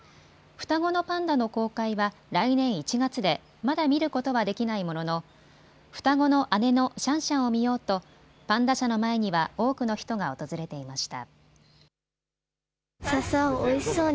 双子のパンダの公開は来年１月でまだ見ることはできないものの双子の姉のシャンシャンを見ようとパンダ舎の前には多くの人が訪れていました。